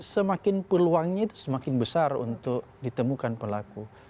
semakin peluangnya itu semakin besar untuk ditemukan pelaku